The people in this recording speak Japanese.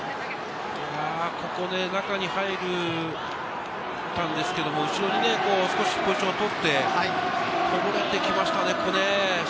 ここで中に入ったんですけど、後ろに取って、こぼれてきましたね。